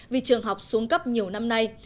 vì trường học xuống cấp nhiều năm nay